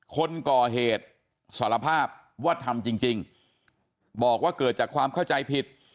คนก่อเหตุสารภาพว่าทำจริงบอกว่าเกิดจากความเข้าใจผิด